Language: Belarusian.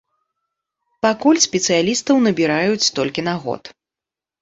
Пакуль спецыялістаў набіраюць толькі на год.